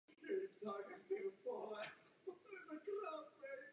Po druhé světové válce působil jako vyslanec do Evropy mezi přeživší holokaustu.